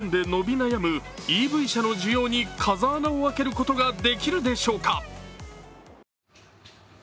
日本で伸び悩むＥＶ車の需要に風穴を開けることができるでしょうか。